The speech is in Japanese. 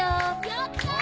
やった！